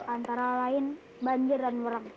antara lain banjir dan merak